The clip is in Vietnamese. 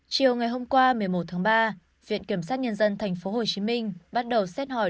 chiều ngày hôm qua một mươi một tháng ba viện kiểm sát nhân dân tp hcm bắt đầu xét hỏi